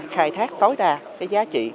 khai thác tối đa cái giá trị